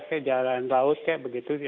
ke jalan laut kayak begitu